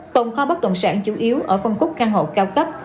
tồn kho bất động sản chủ yếu ở phân khúc căn hộ cao cấp